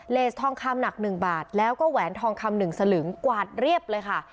เลสทองคำหนัก๑บาทแล้วก็แหวนทองคำ๑สลึงกวาดเรียบเลยค่ะ